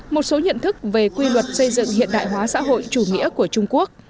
một số nhận thức về quy luật xây dựng hiện đại hóa xã hội chủ nghĩa của trung quốc